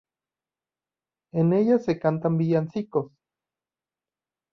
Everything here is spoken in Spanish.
En ellas se cantan villancicos.